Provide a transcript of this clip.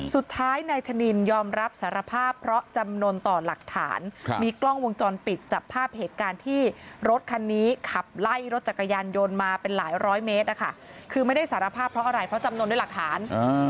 สุดท้ายนายชะนินยอมรับสารภาพเพราะจำนวนต่อหลักฐานมีกล้องวงจรปิดจับภาพเหตุการณ์ที่รถคันนี้ขับไล่รถจักรยานยนต์มาเป็นหลายร้อยเมตรนะคะคือไม่ได้สารภาพเพราะอะไรเพราะจำนวนด้วยหลักฐาน